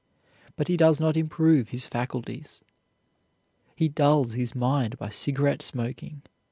But he does not improve his faculties. He dulls his mind by cigarette smoking.